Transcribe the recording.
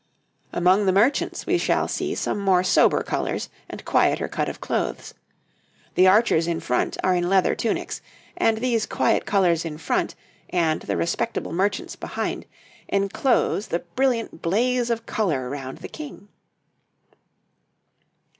Among the merchants we shall see some more sober colours and quieter cut of clothes; the archers in front are in leather tunics, and these quiet colours in front, and the respectable merchants behind, enclose the brilliant blaze of colour round the King.